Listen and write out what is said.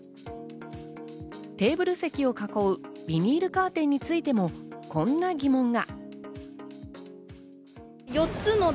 テーブル席を囲うビニールカーテンについても、こんな疑問が。